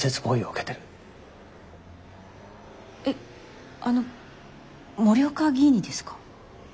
えっあの森岡議員にですか？